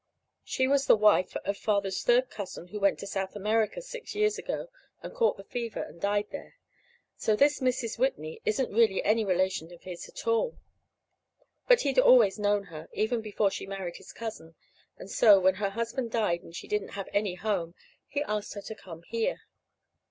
She was the wife of Father's third cousin who went to South America six years ago and caught the fever and died there. So this Mrs. Whitney isn't really any relation of his at all. But he'd always known her, even before she married his cousin; and so, when her husband died, and she didn't have any home, he asked her to come here.